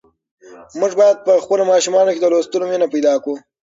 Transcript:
موږ باید په خپلو ماشومانو کې د لوستلو مینه پیدا کړو.